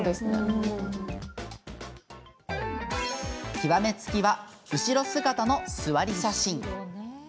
極め付きは、後ろ姿の座り写真。